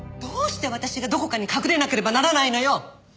どうして私がどこかに隠れなければならないのよ！